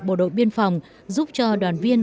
bộ đội biên phòng giúp cho đoàn viên